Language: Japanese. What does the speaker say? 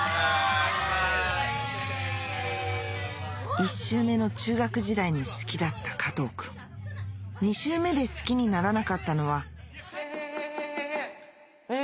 １周目の中学時代に好きだった加藤君２周目で好きにならなかったのはへぇへぇ！